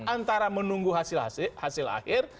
antara menunggu hasil akhir